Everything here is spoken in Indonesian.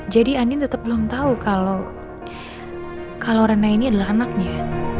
jadi ani tetep belum tahu kalau kalau rena ini adalah anaknya